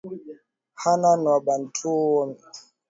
Hanan Wabantu Wanyiramba Warangi Wanyaturu na makabila mengine